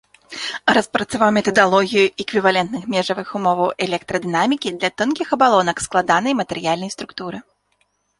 Распрацаваў метадалогію эквівалентных межавых умоваў электрадынамікі для тонкіх абалонак складанай матэрыяльнай структуры.